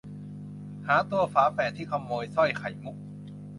หาตัวฝาแฝดที่ขโมยสร้อยไข่มุก